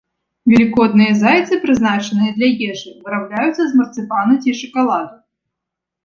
Велікодныя зайцы, прызначаныя для ежы, вырабляюцца з марцыпану ці шакаладу.